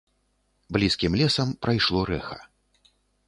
Блізкім лесам прайшло рэха.